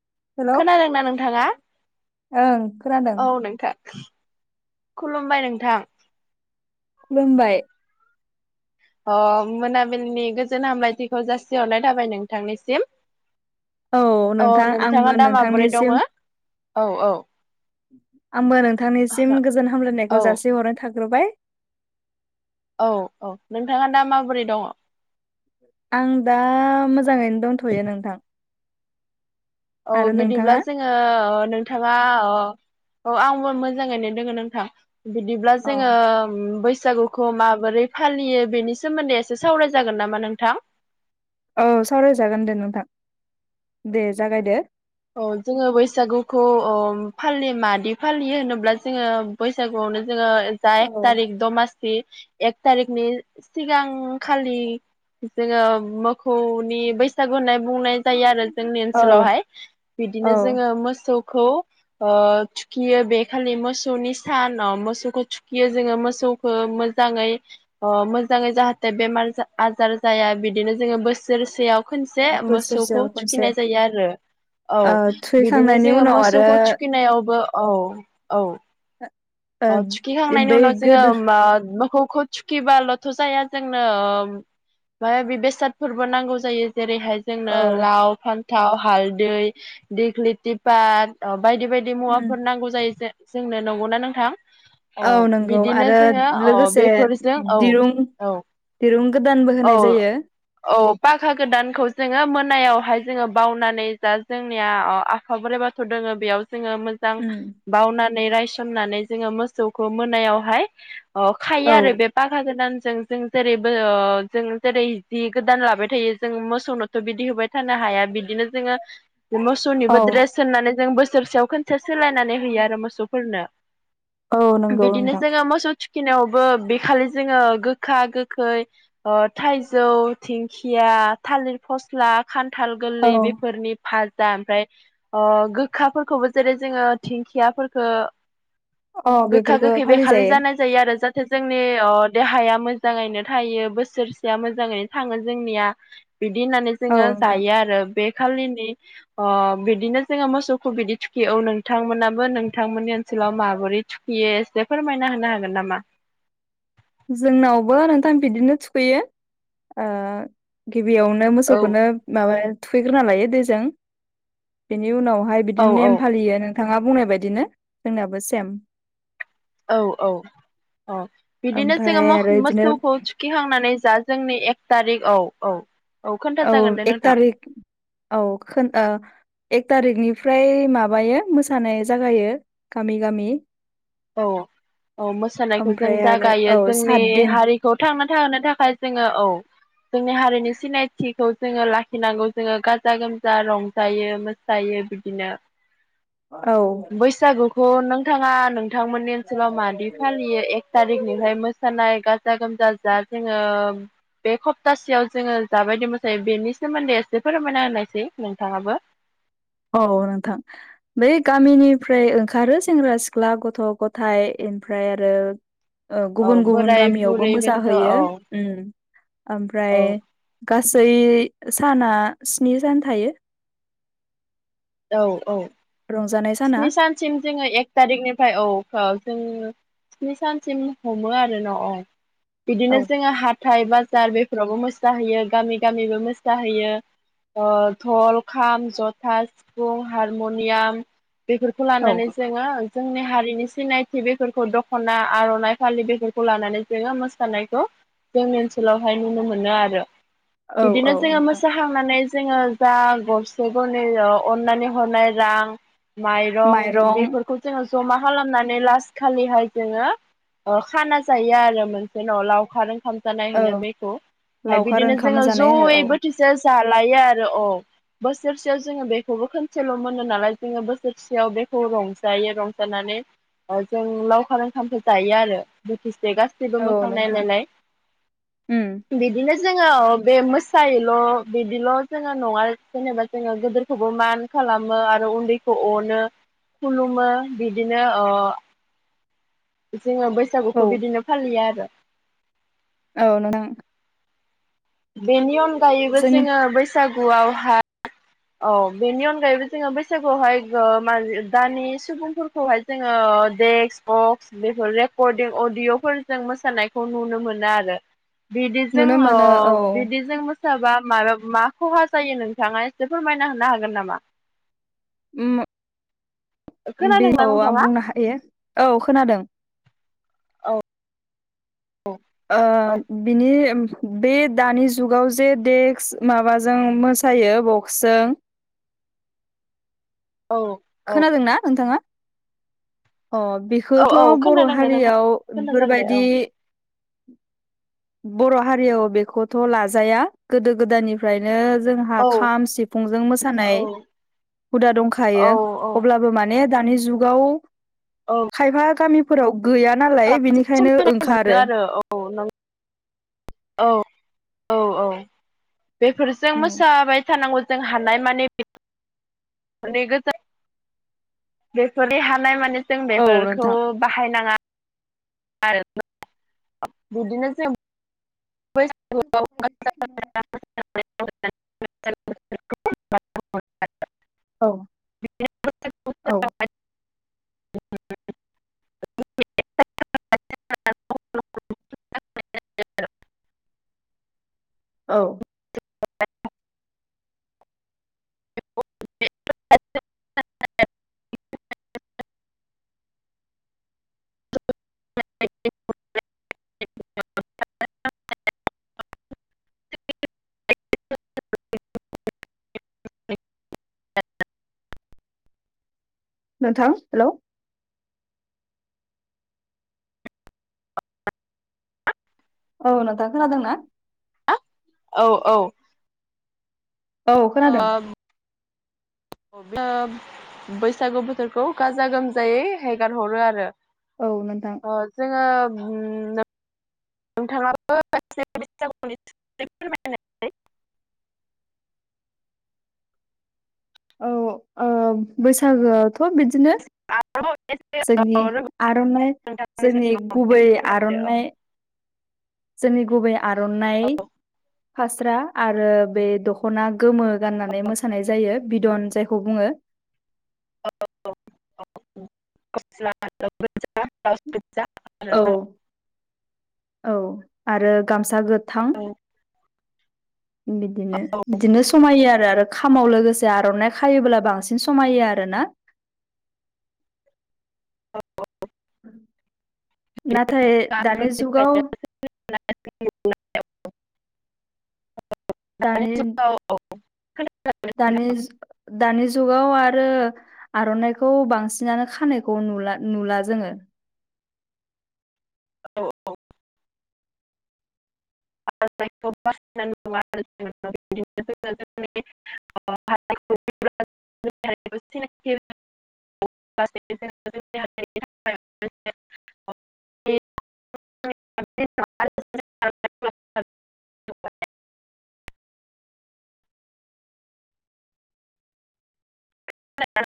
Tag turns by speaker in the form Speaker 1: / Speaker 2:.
Speaker 1: [inaudible]
Speaker 2: Hello
Speaker 1: खोनादोंनाा नोंथाङा
Speaker 2: ओं खोनादों
Speaker 1: औ नोंथां। खुलुमबाय नोंथां।
Speaker 2: खुलुमबाय
Speaker 1: अ मोनाबिलिनि गोजोन हामलायथिखौ जासिहरनाय थाबाय नोंथांनिसिम। औ
Speaker 2: नोंथां
Speaker 1: नोंथाङा
Speaker 2: आंबो
Speaker 1: दा माबोरै
Speaker 2: नोंथांनिसिम
Speaker 1: दङो औ औ।
Speaker 2: आंबो नोंथांनिसिम गोजोन
Speaker 1: औ
Speaker 2: हामलायनायखौ जासि हरनाय थाग्रोबाय।
Speaker 1: औ औ नोंथाङा दा माबोरै दङ?
Speaker 2: आं दा मोजाङैनो दंथ'यो नोंथां।
Speaker 1: औ
Speaker 2: आरो
Speaker 1: बिदिब्ला
Speaker 2: नोंथाङा
Speaker 1: जोङो। औ नोंथाङा अ अ आंबो मोजाङैनो दोङो नोंथां। बिदिब्ला
Speaker 2: अ
Speaker 1: जोङो बैसागु खौ माबोरै फालियो बेनि सोमोन्दै एसे सावराय जागोन नामा नोंथां?
Speaker 2: औ सावरायजागोन दे नोंथां दे जागायदो।
Speaker 1: औ जोङो बैसागुखौ ओ फालियो मादै फालियो होनोब्ला जोङो बैसागुआवनो जोङो जा
Speaker 2: औ
Speaker 1: एक थारिख दमा [inaudible] एक थारिखनि सिगां खालि जोङो मोखौनि बैसागु होनना बुंनाय। जायो आरो जोंनि
Speaker 2: औ
Speaker 1: ओनसोलावहाय
Speaker 2: औ
Speaker 1: बिदिनो जोङो मोसौखौ। थुखियो बे खालि मोसौनि सान मोसौखौ थुखियो जोङो मोसौ मोजाङै अ मोजाङै जाहाथे बेमार आजार जाया बिदिनो जोङो बोसोरसेयाव खनसे
Speaker 2: बोसोरसेयाव
Speaker 1: मोसौखौ
Speaker 2: खनसे
Speaker 1: थुखिनाय जायो आरो। औ
Speaker 2: ओ
Speaker 1: बिदिनो
Speaker 2: थुखैखांनायनि
Speaker 1: जोङो
Speaker 2: उनाव आरो
Speaker 1: मोसौखौ थुखिनायावबो औ औ।
Speaker 2: ओ
Speaker 1: अ थुखिखांनायनि
Speaker 2: बै
Speaker 1: उनाव जोङो
Speaker 2: गोदो
Speaker 1: मा मोखौखौ थुखिबाल'थ' जाया जोंनो म बे बेसादफोरबो नांगौ जायो जेरैहाय जोंनो
Speaker 2: औ
Speaker 1: लाव फान्थाव हालदै दग्लिथिफात बायदि बायदि दि
Speaker 2: उम
Speaker 1: मुवाफोर नांगौ जायो जोंनो नंगौना नोंथां। अ
Speaker 2: औ नंगौ
Speaker 1: बिदिनो
Speaker 2: आरो
Speaker 1: जोङो अ
Speaker 2: लोगोसे
Speaker 1: बेफोरजों औ
Speaker 2: दिरुं
Speaker 1: औ
Speaker 2: दिरुं गोदानबो होनाय
Speaker 1: औ
Speaker 2: जायो।
Speaker 1: औ पाखा गोदानखौ जोङो मोनायावहाय जोङो बावनानै जा जोंनिया आफा बोराइ बाथौ दोङो बेयाव जोङो मोजां
Speaker 2: उम
Speaker 1: बाउनानै रायसोमनानै जोङो मोसौखौ मोनायावहाय
Speaker 2: औ
Speaker 1: खायो आरो बे फाखा गोदानजों जों जेरैबो जों जेरै जि गोदान लाबाय थायो जों मोसौनो बिदि होबाय थानो हाया बिदिनो जोङो मोसौनिबो
Speaker 2: औ
Speaker 1: ड्रेस होननानै जों बोसोरसेयाव खनसे सोलायनानै होयो आरो मोसौफोरनो।
Speaker 2: औ नंगौ
Speaker 1: बिदिनो
Speaker 2: नोंथां
Speaker 1: जोङो मोसौ थु खैनायावबो बेखालि जोङो गोखा गोखै थाइजौ दिंखिया थालिर फस्ला खान्थाल
Speaker 2: औ
Speaker 1: गोरलै बेफोरनि फाजा ओमफ्राय ओ गोखाफोरखौबो जेरै जोङो दिंखियाफोरखो
Speaker 2: औ
Speaker 1: गोखा
Speaker 2: बेफोरखौ
Speaker 1: गोखै बेखालि
Speaker 2: फालिजायो
Speaker 1: जानाय जायो आरो जाहाथे ओजोंनि ओ देहाया मोजाङैनो थायो बोसोरसेया मोजाङैनो थाङो जोंनिया। बिदि होननानै
Speaker 2: औ
Speaker 1: जोङो
Speaker 2: नोंथां
Speaker 1: जायो आरो बे खालिनि अ बिदिनो जोङो मोसौखौ बिदि थुखियो औ नोंथांमोनाबो नोंथांमोननि ओनसोलाव माबोरै थु खैयो एसे फोरमायना होनो हागोन नामा?
Speaker 2: जोंनावबो नोंथां बिदिनो थुखैयो ओ गिबियावनो
Speaker 1: औ
Speaker 2: मोसौखौनो माबा थुखैग्रोना लायो दैजों बेनि उनावहाय
Speaker 1: औ
Speaker 2: बिदिनो
Speaker 1: औ
Speaker 2: नेम फालियो नोंथाङा बुंनाय बायदिनो जोंनाबो सेम।
Speaker 1: औ औ अ बिदिनो जोङो
Speaker 2: ओमफ्राय
Speaker 1: मोख
Speaker 2: आरो बिदिनो
Speaker 1: मोसौखौ थुखै खांनानै जा जोंनि एक थारिख औ औ खोन्था
Speaker 2: औ
Speaker 1: जागोन दे
Speaker 2: एक
Speaker 1: नोंथां।
Speaker 2: तारिख खौ औ एक थारिकनिफ्राय माबायो मोसानाय जागायो गामि गामि
Speaker 1: औ औ मोसानायखौ जों
Speaker 2: ओमफ्राय आरो
Speaker 1: जागायो
Speaker 2: औ
Speaker 1: जोंनि
Speaker 2: सात दिन
Speaker 1: हारि खौ थांना थाहो थाखाय जोङो औ जोंनि हारिनि सिनायथिखौ जोङो लाखिनांगौ जोङो गाजा गोमजा रंजायो मो सायो बिदिनो
Speaker 2: औ
Speaker 1: बैसागुखौ नोंथाङा नोंथांमोननि ओनसोलाव मादि फालियो एक थारिखनिफ्राय मोसानाय गाजा गोमजा जा जोङो बे सप्तासेयाव जोङो जाबायदि मोसायो बेनि सोमोन्दै एसे फोरमायना होननायसै नोंथाङाबो।
Speaker 2: औ नोंथां बै गामिनिफ्राय ओंखारो सेंग्रा सिख्ला गथ' गथाय ओमफ्राय आरो
Speaker 1: औ
Speaker 2: गुबुन गुबुन
Speaker 1: बोराय
Speaker 2: गामियावबो
Speaker 1: बुरै बेन्थ' औ
Speaker 2: मोसाहैयो। ओमफ्राय
Speaker 1: औ
Speaker 2: गासै साना स्नि सान थायो।
Speaker 1: औ औ
Speaker 2: रंजानाय साना
Speaker 1: बेथिं जोङो एक थारिखनिफ्राय औ जों स्नि सानसिम हमो आरो न' अ
Speaker 2: औ
Speaker 1: बिदिनो जोङो हाब हाथाय बाजार बेफोरावबो मोसाहैयो गामि गामिबो मोसाहैयो। धल खाम जथा सिफुं हारम'नियाम बेफोरखौ
Speaker 2: औ
Speaker 1: लानानै जोङो जोंनि हारिनि सिनायथि बेफोरखौ दख'ना आर'नाइ फालि बेफोरखौ लानानै जोङो मोसानायखौ जोंनि ओनसोलावहाय नुनो मोनो आरो
Speaker 2: औ औ
Speaker 1: बिदिनो जोंङो
Speaker 2: नोंथां
Speaker 1: मोसाखां नानै जोङो जा गरसे गरनै अननानै हरनाय रां माइरं बेफोरखौ जोङो जमा खालामनानै लास खालिहाय जोङो ओ खाना जायो आरो मोनसे न' लावखार ओंखाम जानाय होनो
Speaker 2: औ
Speaker 1: बेखौ ओमफ्राय
Speaker 2: लावखार
Speaker 1: बिदिनो
Speaker 2: ओंखाम
Speaker 1: जोङो
Speaker 2: जानाय
Speaker 1: जयै
Speaker 2: होनो
Speaker 1: बोथि से जालायो आरो अ बोसोरसेयाव जोङो बेखौबो खनसेल' मोनो नालाय। जोङो बोसोरसेयाव बेखौ रंजायो रंजानानै जों लावखार ओंखामखो जायो आरो बोथिसे गास गासिबो
Speaker 2: औ औ
Speaker 1: मोखां
Speaker 2: नोंथां
Speaker 1: नायलायलाय।
Speaker 2: उम
Speaker 1: बिदिनो जोङो ओ बे मोसायोल' बिदिल' जोङो नङा जेनेबा। जोङो गोदोरखौबो मान खालामो आरो उनदै अनो खुलुमो बिदिनो अ जोङो
Speaker 2: औ
Speaker 1: बैसागुखौ बिदिनो फालियो आरो।
Speaker 2: औ नोंथां।
Speaker 1: बेनि अनगायैबो
Speaker 2: जोंनि
Speaker 1: जोङो बैसागुयावहाय औ बेनि अनगायैबो जोङो बैसागुयावहाय गो मा दानि सुबुंफोरखौहाय जोङो देक्स बक्स बेफोर रेकर्डिं अदिअ'फोरजों मोसानायखौ नुनो मोनो आरो। बिदिजों
Speaker 2: नुनो
Speaker 1: ओ
Speaker 2: मोनो औ
Speaker 1: बिदिजों मोसाबा माबा मा खहा जायो नोंथाङा? एसे फोरमायना होनो हागोन नामा?
Speaker 2: उम। बे औ
Speaker 1: खोनादोंना
Speaker 2: आं
Speaker 1: नोंथाङा
Speaker 2: बुंनो हायो औ खोनादों।
Speaker 1: औ
Speaker 2: ओ
Speaker 1: औ
Speaker 2: बिनि उम। बे दानि जुगाव जे देक्स माबाजों मोसायो बक्सजों।
Speaker 1: औ
Speaker 2: खोनादोंना नोंथाङा? अ बे
Speaker 1: औ
Speaker 2: खौथ'
Speaker 1: औ
Speaker 2: बर'
Speaker 1: खोनादोंनो नोंथां
Speaker 2: हारियाव
Speaker 1: खोना जागोन दे
Speaker 2: बेफोरबायदि
Speaker 1: औ
Speaker 2: बर' हारियाव बेखौथ' लाजाया गोदो गोदायनिफ्रायनो जों हा
Speaker 1: औ
Speaker 2: खाम सिफुंजों मोसानाय
Speaker 1: औ
Speaker 2: हुदा
Speaker 1: औ
Speaker 2: दंखायो।
Speaker 1: औ
Speaker 2: अब्लाबो मा माने दानि जुगाव
Speaker 1: औ
Speaker 2: खायफा गामि फोराव गैया नालाय
Speaker 1: बांसिन
Speaker 2: बेनिखायनो
Speaker 1: समायनाय मोनो
Speaker 2: ओंखारो।
Speaker 1: आरो औ नं औ औ औ बेफोरजों मोसाबाय थानांगौ जों हानाय मानि माने गोजान बेफोरनि हानाय माने जों
Speaker 2: औ
Speaker 1: बेफोरखौ
Speaker 2: नोंथां
Speaker 1: बाहायनाङा आरो बिदिनो जों
Speaker 2: [inaudible] औ औ।
Speaker 1: [unintelligible]
Speaker 2: औ
Speaker 1: [unintelligible] [unintelligible] [unintelligible] [unintelligible] [unintelligible]
Speaker 2: नोंथां हेलौ। औ नोंथां खोनादों ना?
Speaker 1: औ औ
Speaker 2: औ खोनादों।
Speaker 1: ओ बैसागु बोथोरखौ गाजा गोमजायै हेगार हरो आरो।
Speaker 2: औ नोंथां।
Speaker 1: ओ जोङो उम नो नोंथाङाबो एसे बैसागु सोमोन्दै फोरमानाय।
Speaker 2: औ ओ बैसागोआथ' बिदिनो
Speaker 1: आरोबाव एसे
Speaker 2: जोंनि आर'नाइ
Speaker 1: नोंथांनि
Speaker 2: जोंनि
Speaker 1: सिगाङाव
Speaker 2: गुबै
Speaker 1: फोरमायदो औ
Speaker 2: आर'नाइ जोंनि गुबै आर'नाइ फास्रा आरो बे द दखना गोमो गाननानै मोसानाय जायो‌। बिदन जायखौ बुङो। औ
Speaker 1: [unintelligible]
Speaker 2: औ आरो गामसा गोथां
Speaker 1: औ
Speaker 2: उम बिदिनो बिदिनो समायो आरो आरो खामाव लोगोसे आर'नाइ खायोब्ला बांसिन समायो आरो ना [inaudible]
Speaker 1: औ [unintelligible]
Speaker 2: नाथाय दानि जुगाव
Speaker 1: [unintelligible]
Speaker 2: दानि
Speaker 1: जुगाव औ
Speaker 2: दानि दानि जुगाव आरो आर'नाइखौ बांसिनानो खानायखौ नुला नुला जोङो
Speaker 1: औ [unintelligible] [unintelligible] [unintelligible] [unintelligible] बा जोंनि हादोरनि थाखाय [unintelligible] थाखाय [unintelligible] [unintelligible]